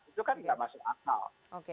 itu kan tidak masuk akal